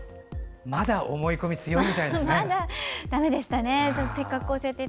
まだ思い込みが強いみたいですね。